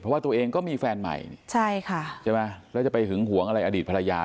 เพราะว่าตัวเองก็มีแฟนใหม่ใช่ค่ะใช่ไหมแล้วจะไปหึงหวงอะไรอดีตภรรยา